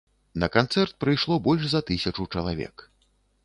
На канцэрт прыйшло больш за тысячу чалавек.